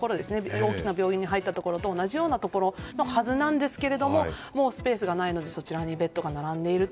大きな病院に入ったところと同じようなところのはずなんですけどスペースがないのでそちらにベッドが並んでいると。